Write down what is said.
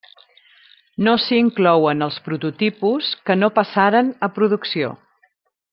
No s'hi inclouen els prototipus que no passaren a producció.